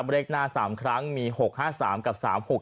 เลขหน้า๓ครั้งมี๖๕๓กับ๓๖๖